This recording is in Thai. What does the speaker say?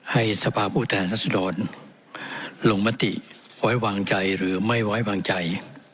สภาพผู้แทนรัศดรลงมติไว้วางใจหรือไม่ไว้วางใจ